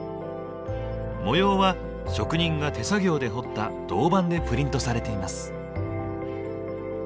模様は職人が手作業で彫った銅板でプリントされています。